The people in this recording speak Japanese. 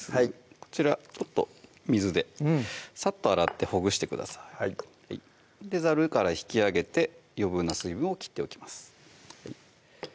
こちらちょっと水でさっと洗ってほぐしてくださいざるから引き上げて余分な水分を切っておきます